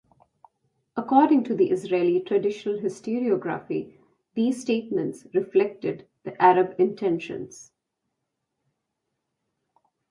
According to the Israeli traditional historiography, these statements reflected the Arab intentions.